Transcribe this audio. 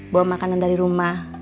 bawa makanan dari rumah